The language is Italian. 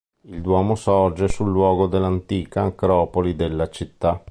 Il duomo sorge sul luogo dell'antica acropoli della città.